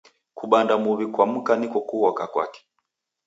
Kubanda muw'i kwa mka niko kughoka kwape.